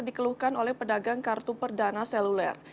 dikeluhkan oleh pedagang kartu perdana seluler